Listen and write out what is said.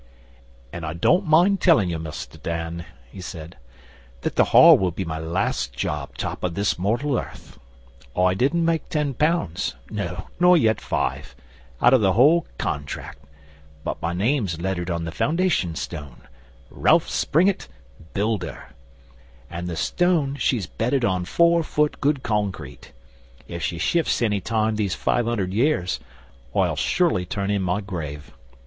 'An' I don't mind tellin' you, Mus' Dan,' he said, 'that the Hall will be my last job top of this mortal earth. I didn't make ten pounds no, nor yet five out o' the whole contrac', but my name's lettered on the foundation stone Ralph Springett, Builder and the stone she's bedded on four foot good concrete. If she shifts any time these five hundred years, I'll sure ly turn in my grave.